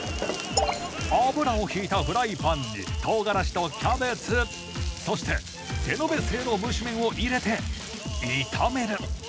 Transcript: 油を引いたフライパンにトウガラシとキャベツそして手延べせいろ蒸し麺を入れて炒める。